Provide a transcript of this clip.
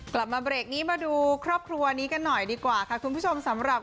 กลับมาเบรกนี้มาดูครอบครัวนี้กันหน่อยดีกว่าค่ะคุณผู้ชมสำหรับ